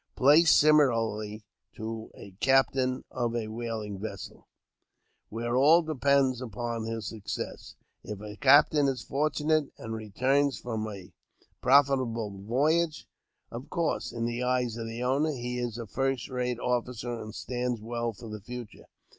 Placed similarly to a captain of a whaling vessel, 68 AUTOBIOGBAPHY OF JAMES P. BECKWOVRTH. where all depends upon his success, if a captain is fortunate, and returns from a profitable voyage, of course, in the eyes of the owners, he is a first rate officer, and stands well for the future.